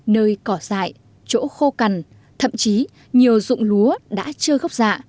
nơi cỏ dại chỗ khô cằn thậm chí nhiều dụng lúa đã chưa gốc dạ